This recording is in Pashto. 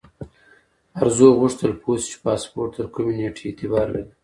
ارزو غوښتل پوه شي چې پاسپورت تر کومې نیټې اعتبار لري.